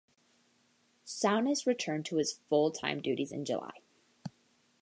Souness returned to his full-time duties in July.